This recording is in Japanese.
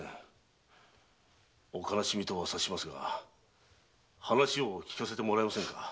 お悲しみとはお察ししますが話を聞かせてもらえませんか？